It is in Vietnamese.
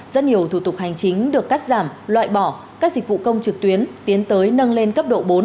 rất nhiều thủ tục hành chính được cắt giảm loại bỏ các dịch vụ công trực tuyến tiến tới nâng lên cấp độ bốn